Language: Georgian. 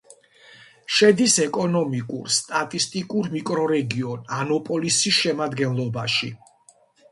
შედის ეკონომიკურ-სტატისტიკურ მიკრორეგიონ ანაპოლისის შემადგენლობაში.